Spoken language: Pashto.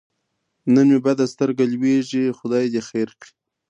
نن مې بده سترګه لوېږي خدای دې خیر کړي.